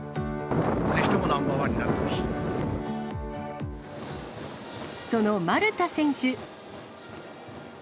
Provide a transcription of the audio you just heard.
ぜひともナンバーワンになっその丸田選手。